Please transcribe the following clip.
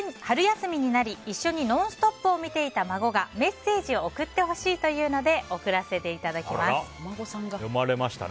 春休みになり一緒に「ノンストップ！」を見ていた孫がメッセージを送ってほしいというので送らせていただきます。